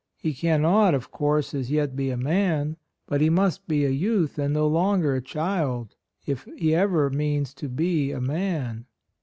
He can not, of course, as yet be a man; but he must be a youth and no longer a child, if he ever means to be a man."